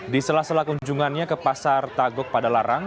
di sela sela kunjungannya ke pasar tagok pada larang